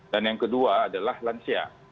dan yang kedua adalah lansia